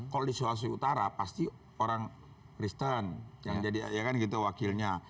kalau di sulawesi utara pasti orang kristen yang jadi wakilnya